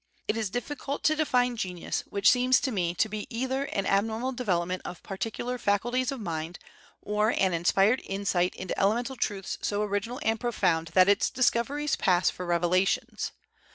It is difficult to define genius, which seems to me to be either an abnormal development of particular faculties of mind, or an inspired insight into elemental truths so original and profound that its discoveries pass for revelations.